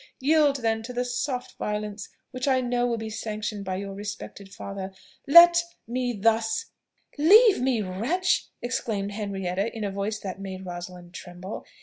Yield then to the soft violence which I know will be sanctioned by your respected father let me thus " "Leave me, wretch!" exclaimed Henrietta in a voice that made Rosalind tremble.